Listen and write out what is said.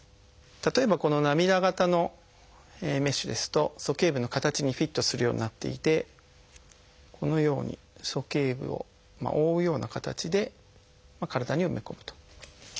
例えばこの涙形のメッシュですと鼠径部の形にフィットするようになっていてこのように鼠径部を覆うような形で体に埋め込むと。